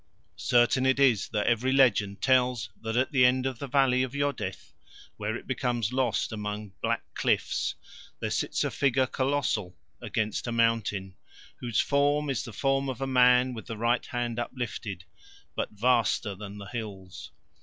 Certain it is that every legend tells that at the end of the valley of Yodeth, where it becomes lost among black cliffs, there sits a figure colossal, against a mountain, whose form is the form of a man with the right hand uplifted, but vaster than the hills.